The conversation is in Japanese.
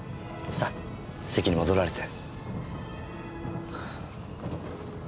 さあ席に戻られて。